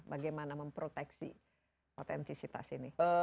bagaimana memproteksi otentisitas ini